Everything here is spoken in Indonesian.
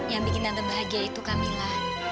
yang bikin tante bahagia itu kamila